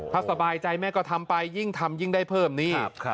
ถ้าสบายใจแม่ก็ทำไปยิ่งทำยิ่งได้เพิ่มนี่